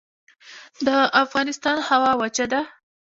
د افغانستان هوا وچه ده